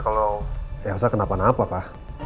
kalau elsa kenapa napa kah